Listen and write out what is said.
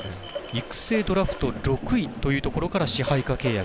育成ドラフト６位というところから支配下契約。